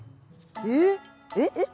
ええっ⁉えっ？えっ？